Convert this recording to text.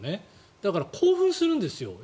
だから、興奮するんですよ。